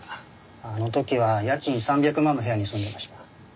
あの時は家賃３００万の部屋に住んでました。